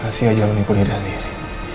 asih aja menikuh diri sendiri